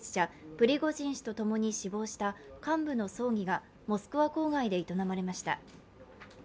プリゴジン氏とともに死亡した幹部の葬儀がモスクワ郊外で営まれました。